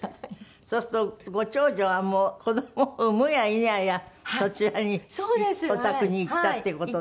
そうするとご長女はもう子どもを産むや否やそちらにお宅に行ったって事ね。